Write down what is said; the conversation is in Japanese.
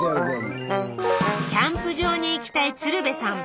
キャンプ場に行きたい鶴瓶さん。